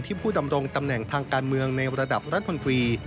ผู้ดำรงตำแหน่งทางการเมืองในระดับรัฐมนตรี